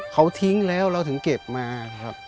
เขาทิ้งแล้วเราถึงเก็บมาครับ